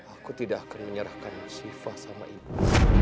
aku tidak akan menyerahkan shiva sama ibu